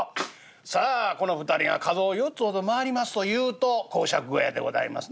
さあこの２人が角を４つほど曲がりますというと講釈小屋でございますな。